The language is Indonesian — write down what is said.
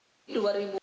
pada hari ini di banyumas